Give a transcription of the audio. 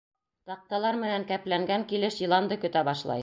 Таҡталар менән кәпләнгән килеш йыланды көтә башлай.